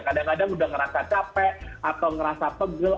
kadang kadang sudah merasa capek atau merasa pegel